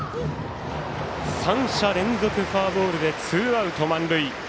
３者連続フォアボールでツーアウト、満塁。